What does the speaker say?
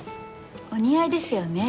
お似合いですよね